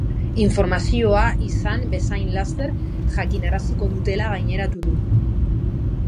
Informazioa izan bezain laster jakinaraziko dutela gaineratu du.